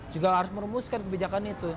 juga harus merumuskan kebijakan itu